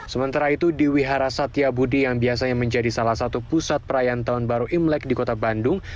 sementara itu di wihara satya budi yang biasanya menjadi salah satu pusat perayaan tahun baru imlek di kota bandung